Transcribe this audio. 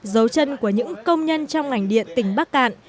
dấu chân của những công nhân trong ngành điện tỉnh bắc cạn